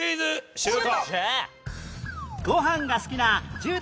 シュート！